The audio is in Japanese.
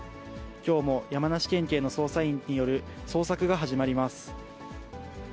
きょうも山梨県警の捜査員による捜索が始まります。